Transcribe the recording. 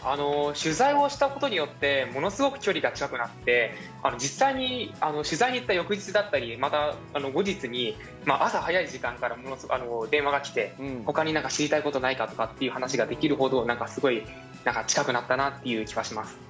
取材をしたことによってものすごく距離が近くなって実際に取材に行った翌日だったりまた後日に朝早い時間から電話が来て他に何か知りたいことないかとかっていう話ができるほどすごい近くなったなっていう気がします。